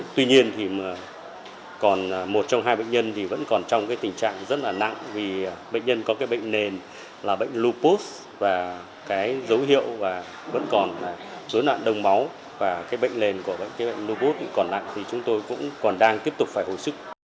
tuy nhiên thì còn một trong hai bệnh nhân vẫn còn trong tình trạng rất là nặng vì bệnh nhân có bệnh nền là bệnh lupus và dấu hiệu vẫn còn dối nạn đông máu và bệnh nền của bệnh lupus còn nặng thì chúng tôi còn đang tiếp tục phải hồi sức